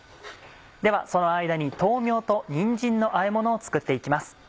ではその間に豆苗とにんじんのあえものを作って行きます。